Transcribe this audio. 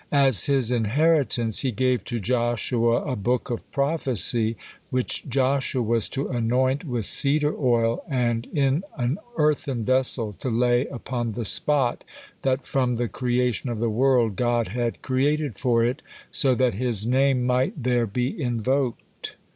At his inheritance he gave to Joshua a book of prophecy, which Joshua was to anoint with cedar oil, and in an earthen vessel to lay upon the spot that from the creation of the world God had created for it, so that His name might there be invoked.